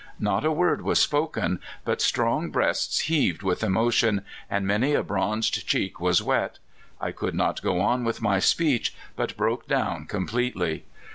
Not a w(»rd was spoken, but strong breasts heaved with emotion, and many a bronzed cheek was wet. I could not go on with my speech, but broke down completely.